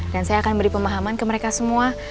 dan saya akan beri pemahaman ke mereka semua